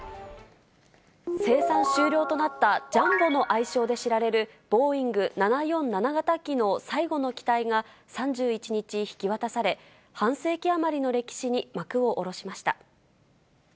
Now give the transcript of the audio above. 生産終了となった、ジャンボの愛称で知られるボーイング７４７型機の最後の機体が３１日、引き渡され、半世紀余りの歴史に幕を下ろしました。